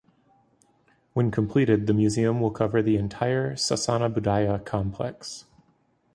When completed, the museum will cover the entire Sasana Budaya complex.